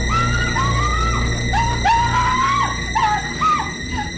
bawa dia keluar